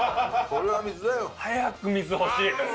これは水だよ。早く水欲しい。